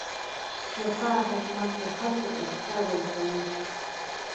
شفاف حکومت خلکو ته حساب ورکوي.